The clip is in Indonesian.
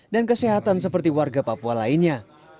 dan kesehatan seperti warga papua lainnya